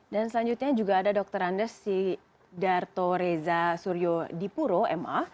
dan selanjutnya juga ada dokter andes si darto reza suryo dipuro ma